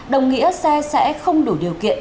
đồng nghĩa xe sẽ không đủ điều kiện